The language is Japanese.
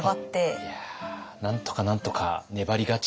いやあなんとかなんとか粘り勝ち？